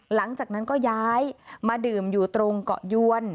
หลังจากนั้นก็ย้ายมาดื่มอยู่ตรงเกาะยวน